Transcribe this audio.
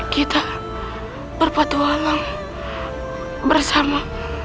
kita berpatu alam bersama